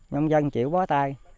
nông dân chịu quá